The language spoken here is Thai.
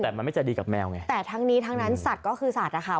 แต่มันไม่จะดีกับแมวไงแต่ทั้งนี้ทั้งนั้นสัตว์ก็คือสัตว์นะคะ